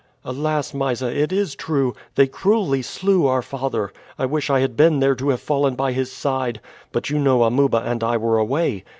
"Alas! Mysa, it is true! They cruelly slew our father. I wish I had been there to have fallen by his side; but you know Amuba and I were away.